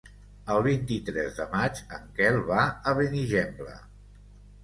El vint-i-tres de maig en Quel va a Benigembla.